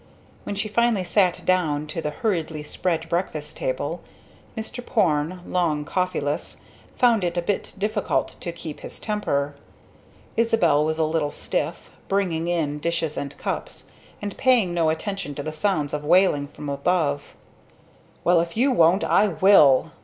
When he finally sat down to the hurriedly spread breakfast table, Mr. Porne, long coffeeless, found it a bit difficult to keep his temper. Isabel was a little stiff, bringing in dishes and cups, and paying no attention to the sounds of wailing from above. "Well if you won't I will!"